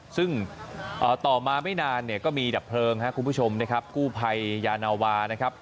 ซึ่งต่อมาไม่นานก็มีดับเพลิงคุณผู้ชมนะครับกู้ไพยาณาวานะครับ